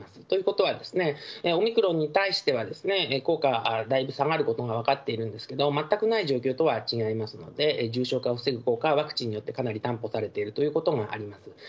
ということはですね、オミクロンに対しては、効果、だいぶ下がることが分かっているんですけど、全くない状況とは違いますので、重症化を防ぐ効果はワクチンによってかなり担保されているということがあります。